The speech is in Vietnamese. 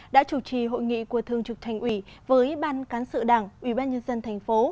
đã chủ trì hội nghị của thương trực thành ủy với ban cán sự đảng ủy ban nhân dân thành phố